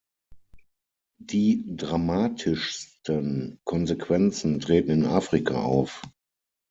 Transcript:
Die dramatischsten Konsequenzen treten in Afrika auf.